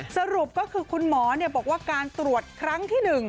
สรุปก็คือคุณหมอบอกว่าการตรวจครั้งที่๑